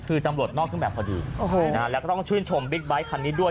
คือตำรวจนอกเครื่องแบบพอดีแล้วก็ต้องชื่นชมบิ๊กไบท์คันนี้ด้วย